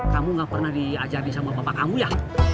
kamu gak pernah diajari sama bapak kamu ya